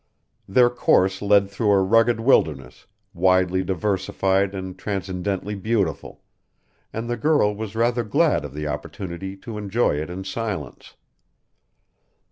Their course led through a rugged wilderness, widely diversified and transcendently beautiful, and the girl was rather glad of the opportunity to enjoy it in silence.